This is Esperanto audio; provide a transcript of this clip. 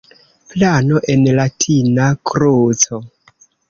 Plano en latina kruco.